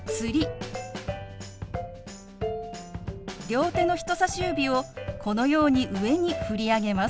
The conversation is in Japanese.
両手の人さし指をこのように上に振り上げます。